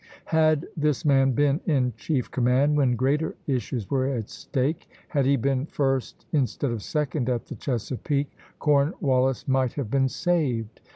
Had this man been in chief command when greater issues were at stake, had he been first instead of second at the Chesapeake, Cornwallis might have been saved.